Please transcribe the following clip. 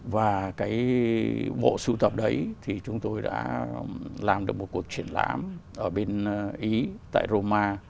và cái bộ sưu tập đấy thì chúng tôi đã làm được một cuộc triển lãm ở bên ý tại roma